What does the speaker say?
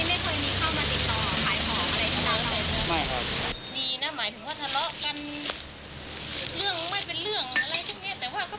ไปถึงคนที่เขาเพื่อนอน